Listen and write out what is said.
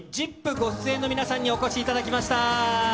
ご出演の皆さんにお越しいただきました。